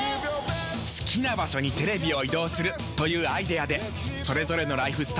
好きな場所にテレビを移動するというアイデアでそれぞれのライフスタイルはもっと自由になる。